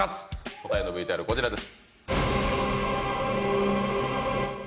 答えのＶＴＲこちらです。